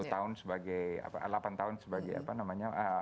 sepuluh tahun sebagai delapan tahun sebagai apa namanya